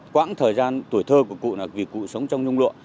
quãng thời gian tuổi thơ của cụ là vì cụ sống trong nhung lụa